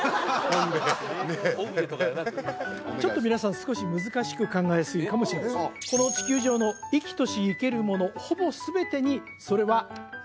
ちょっと皆さん少し難しく考えすぎかもしれませんこの地球上の生きとし生けるものほぼ全てにそれはあります